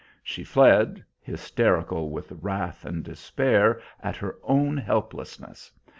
She fled, hysterical with wrath and despair at her own helplessness.